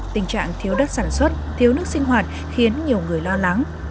tình trạng thiếu đất sản xuất thiếu nước sinh hoạt khiến nhiều người lo lắng